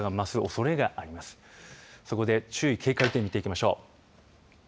そこで注意警戒点見ていきましょう。